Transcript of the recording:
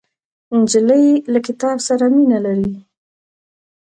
نجلۍ له کتاب سره مینه لري.